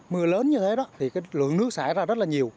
mưa lớn như thế đó thì cái lượng nước xảy ra rất là nhiều